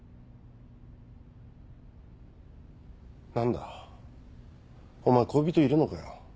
何だお前恋人いるのかよ。